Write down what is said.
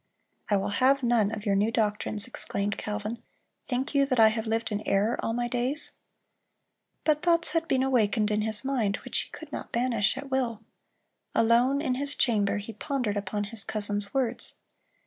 "I will have none of your new doctrines," exclaimed Calvin; "think you that I have lived in error all my days?"(332) But thoughts had been awakened in his mind which he could not banish at will. Alone in his chamber he pondered upon his cousin's words.